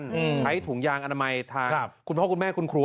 ใช้ถุงยางอนามัยทางครับคุณพ่อคุณแม่คุณครู